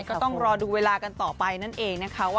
ก็ต้องรอดูเวลากันต่อไปนั่นเอง